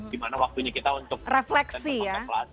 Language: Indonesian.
dimana waktunya kita untuk refleksi ya